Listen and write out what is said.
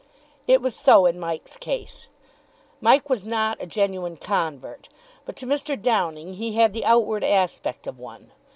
It was so in Mike's case. Mike was not a genuine convert, but to Mr. Downing he had the outward aspect of one.